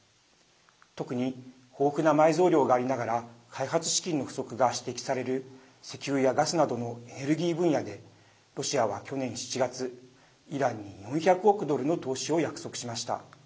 特に、豊富な埋蔵量がありながら開発資金の不足が指摘される石油やガスなどのエネルギー分野でロシアは、去年７月イランに４００億ドルの投資を約束しました。